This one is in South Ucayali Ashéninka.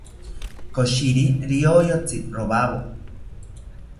Koshiri rioyotsi rowawo